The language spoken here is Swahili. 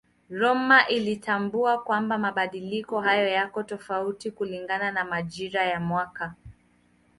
Rømer alitambua kwamba mabadiliko haya yako tofauti kulingana na majira ya mwaka.